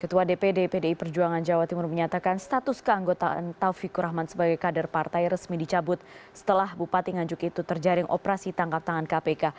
ketua dpd pdi perjuangan jawa timur menyatakan status keanggotaan taufikur rahman sebagai kader partai resmi dicabut setelah bupati nganjuk itu terjaring operasi tangkap tangan kpk